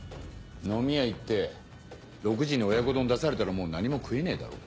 飲み屋行って６時に親子丼出されたらもう何も食えねえだろ。